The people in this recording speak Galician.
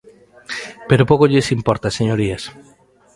Pero pouco lles importa, señorías.